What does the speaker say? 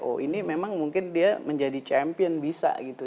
oh ini memang mungkin dia menjadi champion bisa gitu